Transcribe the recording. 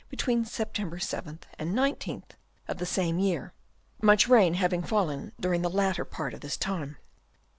between September 7th and 19th of the same year, much rain having fallen during the latter part of this time.